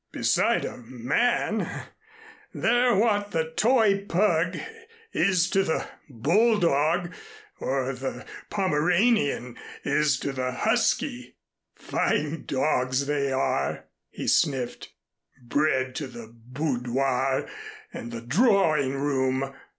"Beside a man, they're what the toy pug is to the bulldog or the Pomeranian is to the 'husky.' Fine dogs they are," he sniffed, "bred to the boudoir and the drawing room!"